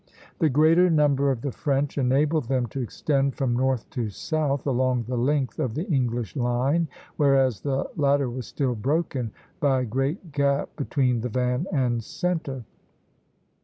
The greater numbers of the French enabled them to extend from north to south along the length of the English line, whereas the latter was still broken by a great gap between the van and centre (Position II.).